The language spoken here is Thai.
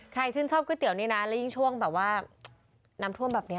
ชื่นชอบก๋วยเตี๋ยวนี่นะแล้วยิ่งช่วงแบบว่าน้ำท่วมแบบนี้